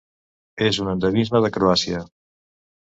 És un endemisme de Croàcia.